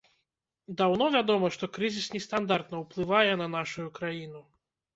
Даўно вядома, што крызіс нестандартна ўплывае на нашую краіну.